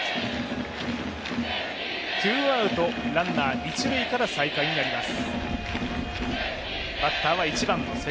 ツーアウト、ランナーは一塁から再開になります。